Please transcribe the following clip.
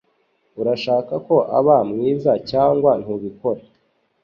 Urashaka ko aba mwiza cyangwa ntubikora